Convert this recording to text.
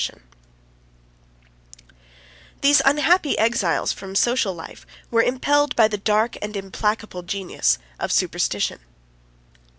] These unhappy exiles from social life were impelled by the dark and implacable genius of superstition.